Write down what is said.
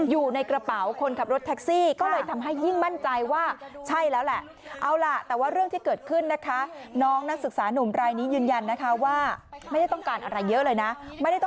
อยู่ในกระเป๋าคนขับรถแท็กซี่